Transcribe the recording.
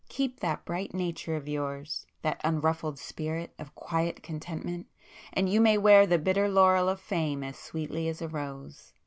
Keep that bright nature of yours,—that unruffled spirit of quiet contentment, and you may wear the bitter laurel of fame as sweetly as a rose!